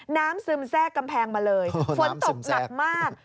ซึมแทรกกำแพงมาเลยฝนตกหนักมาก